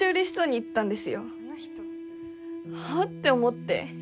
はぁ？って思って。